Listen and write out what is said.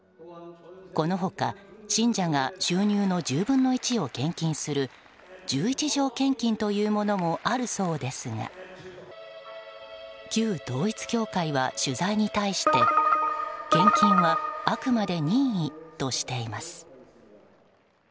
この他、信者が収入の１０分の１を献金する十一条献金というものもあるそうですが旧統一教会は取材に対して献金はあくまで任意としています。